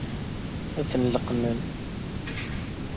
Ad ten-leqqmen?